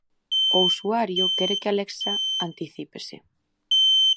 O usuario quere que Alexa anticípese.